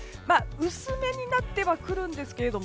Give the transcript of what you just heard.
薄目になってはくるんですが。